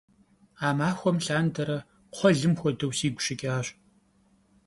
А махуэм лъандэрэ кхъуэлым хуэдэу сигу щыкӏащ.